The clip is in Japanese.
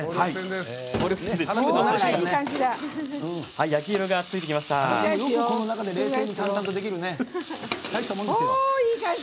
原君よくこの中で冷静にできるね大したものですよ。